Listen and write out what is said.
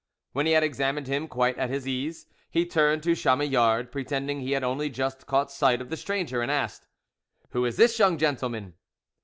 When he had examined him quite at his ease, he turned to Chamillard, pretending he had only just caught sight of the stranger, and asked: "Who is this young gentleman?"